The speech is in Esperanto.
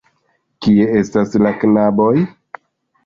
Kie estas la knaboj?